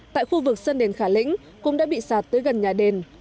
tại khu vực sân đền khả lĩnh cũng đã bị sạt tới gần nhà đền